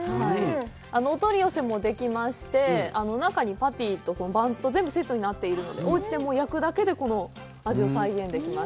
お取り寄せもできまして、中にパティとバンズと全部、セットになっているので、おうちでもう焼くだけでこの味を再現できます。